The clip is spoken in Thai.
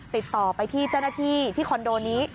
ติดต่อไปที่เจ้าหน้าที่ที่คอนโดนี้